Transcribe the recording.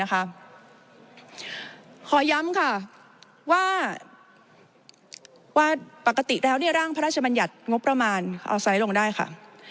ขอย้ำค่ะว่าปกติแล้วร่างพระราชบัญญัติงบประมาณเอาไซส์ลงได้ค่ะ